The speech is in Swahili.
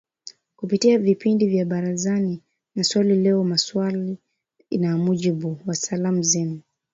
kupitia vipindi vya Barazani na Swali la Leo Maswali na Majibu na Salamu Zenu